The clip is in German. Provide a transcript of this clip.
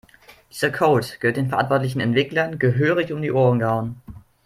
Dieser Code gehört den verantwortlichen Entwicklern gehörig um die Ohren gehauen.